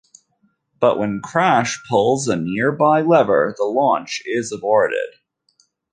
But when Crash pulls a nearby lever, the launch is aborted.